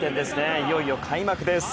いよいよ開幕です。